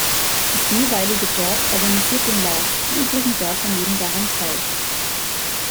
Das jeweilige Dorf organisiert den Lauf, die übrigen Dörfer nehmen daran teil.